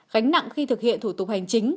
gánh nặng khi thực hiện thủ tục hành chính